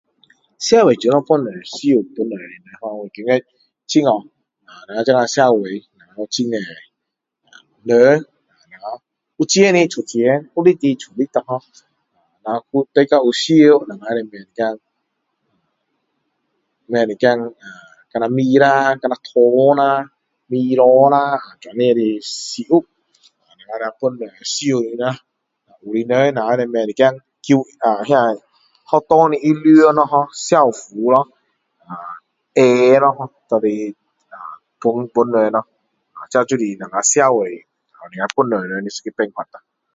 社会怎样去帮助人觉得很好我们这个社会很人多人有钱出钱有力出力我们大家有需要我们就买一点买一点像米啦像糖啦milo啦这样的食物啊我们拿来帮助有需要的啦有我们买一点就啊那学校的衣服咯校服咯鞋拿来拿来帮人咯ho啊这就是我们社会我们帮助人的一个办法咯